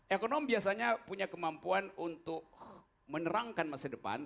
ekonom biasanya punya kemampuan untuk menerangkan masa depan